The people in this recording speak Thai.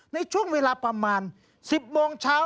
ในช่วงเวลาประมาณ๑๐โมงเช้า